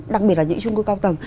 đặc biệt là những trung cư cao tầng